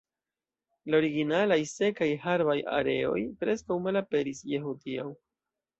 La originalaj sekaj, herbaj areoj preskaŭ malaperis je hodiaŭ.